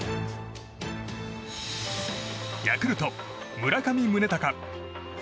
ヤクルト、村上宗隆。